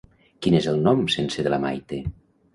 Quin és el nom sencer de la Maite?